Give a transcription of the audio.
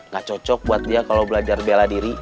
gak cocok buat dia kalau belajar bela diri